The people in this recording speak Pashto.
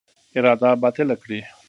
اراده باطله کړي.